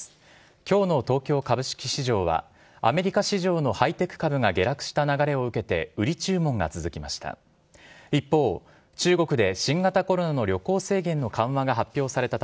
今日の東京株式市場はアメリカ市場のハイテク株が下落した流れを受けて売り注文が続きました。